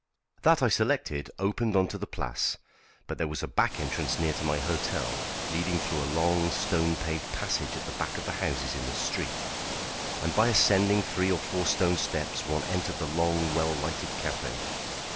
That I selected opened on to the Place, but there was a back entrance near to my hotel, leading through a long, stone paved passage at the back of the houses in the street, and by ascending three or four stone steps one entered the long, well lighted café.